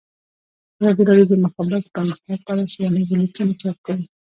ازادي راډیو د د مخابراتو پرمختګ په اړه څېړنیزې لیکنې چاپ کړي.